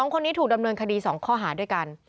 ๒คนนี้ถูกดำเนินคดี๒ข้อหาด้วยกัน